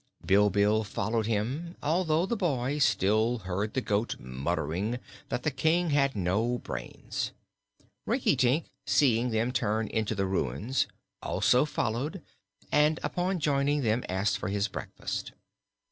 Bilbil followed him, although the boy still heard the goat muttering that the King had no brains. Rinkitink, seeing them turn into the ruins, also followed, and upon joining them asked for his breakfast.